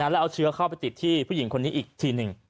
แล้วเอาเชื้อเข้าไปติดที่ผู้หญิงคนนี้อีกทีหนึ่ง